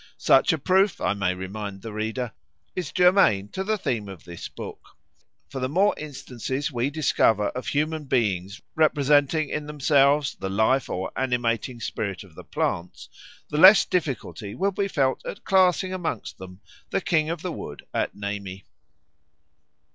Such a proof, I may remind the reader, is germane to the theme of this book; for the more instances we discover of human beings representing in themselves the life or animating spirit of plants, the less difficulty will be felt at classing amongst them the King of the Wood at Nemi.